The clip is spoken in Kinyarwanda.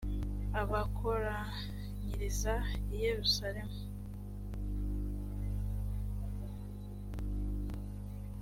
abakoranyiriza i yerusalemu .